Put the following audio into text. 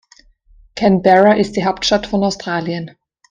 Canberra ist die Hauptstadt von Australien.